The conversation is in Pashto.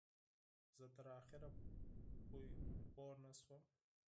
زه تر آخره پوی نه شوم.